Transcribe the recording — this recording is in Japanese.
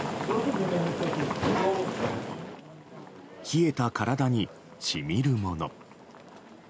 冷えた体に、しみるもの。